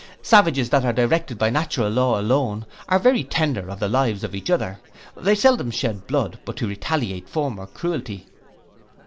Savages that are directed by natural law alone are very tender of the lives of each other; they seldom shed blood but to retaliate former cruelty.